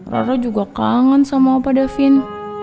rara juga kangen sama opa davin